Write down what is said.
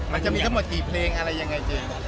มันจะมีทั้งหมดกี่เพลงอะไรยังไงเจ